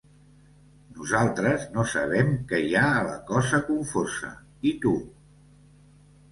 Nosaltres no sabem què hi ha a la cosa confosa, i tu?